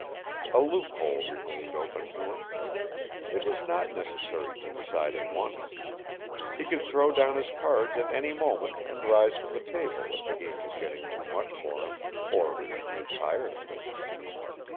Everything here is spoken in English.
A loophole remained open to him. It was not necessary to decide at once; he could throw down his cards at any moment and rise from the table if the game was getting too much for him, or if he grew tired of it.